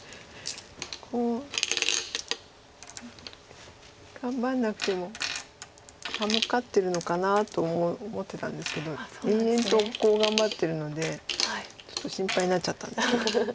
コウ頑張らなくても半目勝ってるのかなと思ってたんですけど延々とコウを頑張ってるのでちょっと心配になっちゃったんです。